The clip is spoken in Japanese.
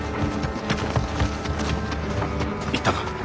行ったか？